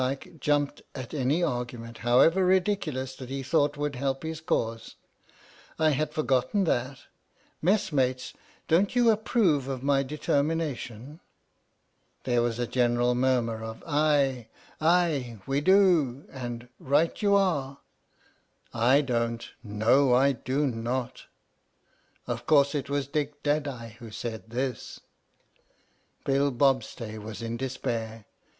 "PINAFORE" jumped at any argument, however ridiculous, that he thought would help his case, " I had forgotten that. Messmates, don't you approve my determin ation? " There was a general murmur of "Aye, aye," "we do," and " right you are." " I don't— no, I do not\ " Of course it was Dick Deadeye who said this. Bill Bobstay was in despair.